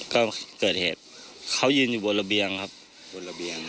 ก็เกิดเหตุเขายืนอยู่บนระเบียงครับ